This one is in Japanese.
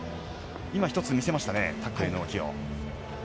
今、一つ見せましたね、タックルへの動きを。